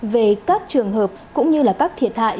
về các trường hợp cũng như là các thiệt hại